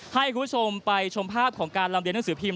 ให้คุณผู้ชมไปชมภาพของการลำเรียนหนังสือพิมพ